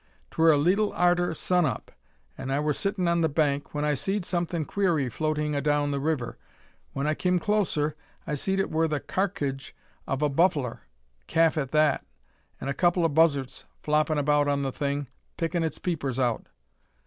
"'Twur a leetle arter sun up, an' I wur sittin' on the bank, when I seed somethin' queery floatin' a down the river. When I kim closer, I seed it wur the karkidge o' a buffler calf at that an' a couple o' buzzarts floppin' about on the thing, pickin' its peepers out.